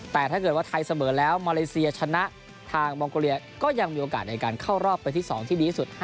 แต่ถ้าเกิดว่าไทยเสมอแล้วมาเลเซียชนะทางมองโกเลียก็ยังมีโอกาสในการเข้ารอบเป็นที่๒ที่ดีที่สุด